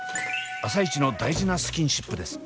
朝イチの大事なスキンシップです。